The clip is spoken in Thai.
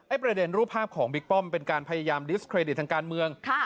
ประเด็นรูปภาพของบิ๊กป้อมเป็นการพยายามดิสเครดิตทางการเมือง